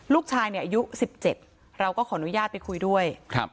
ลูกชายเนี่ยอายุ๑๗เราก็ขออนุญาตไปคุยด้วย